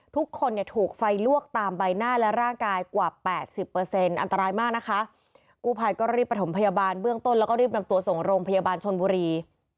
ทุกคนเนี่ยถูกไฟลวกตามใบหน้าและร่างกายกว่าแปดสิบเปอร์เซ็นต์อันตรายมากนะคะกู้ภัยก็รีบประถมพยาบาลเบื้องต้นแล้วก็รีบนำตัวส่งโรงพยาบาลชนบุรี